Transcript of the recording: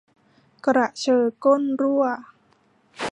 กระเชอก้นรั่ว